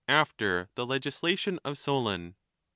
14 the legislation of Solon.